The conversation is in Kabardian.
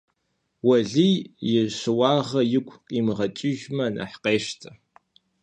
Уэлий и щыуагъэр игу къимыгъэкӀыжмэ нэхъ къещтэ.